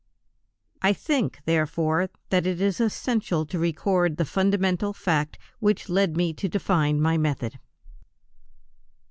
I think, therefore, that it is essential to record the fundamental fact which led me to define my method.